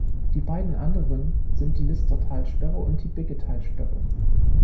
Die beiden anderen sind die Listertalsperre und die Biggetalsperre.